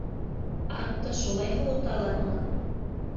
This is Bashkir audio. Атты шулай һыуыталармы?